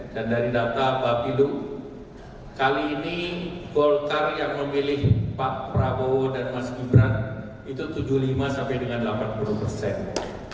dan dari data bapilu kali ini golkar yang memilih pak prabowo dan mas gibran itu tujuh puluh lima sampai dengan delapan puluh persen